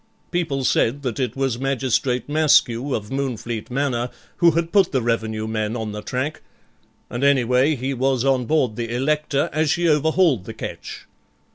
People said that it was Magistrate Maskew of Moonfleet Manor who had put the Revenue men on the track, and anyway he was on board the Elector as she overhauled the ketch.